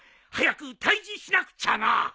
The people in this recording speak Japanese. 早く退治しなくちゃな！